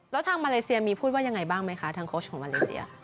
แล้วทางมาเลเซียมีพูดว่ายังไงบ้างไหมคะทางโค้ชของมาเลเซีย